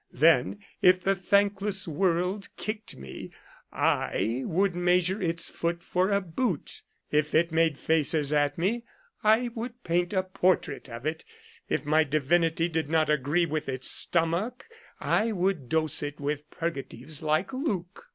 Then, if the thankless world kicked me, I would 123 Curiosities of Olden Times measure its foot for a boot ; if it made faces at me, I would paint its portrait for it ; if my divinity did not agree with its stomach, I would dose it with purgatives like Luke.